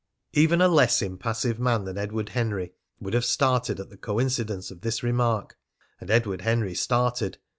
Even a less impassive man than Edward Henry would have started at the coincidence of this remark. And Edward Henry started.